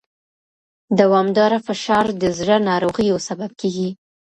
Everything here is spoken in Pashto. دوامداره فشار د زړه ناروغیو سبب کېږي.